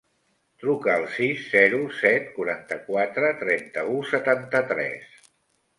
Truca al sis, zero, set, quaranta-quatre, trenta-u, setanta-tres.